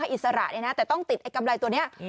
ให้อิสระแต่ต้องติดกำไรตัวนี้